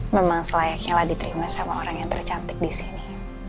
memang selayaknya lah diterima sama orang yang tercantik disini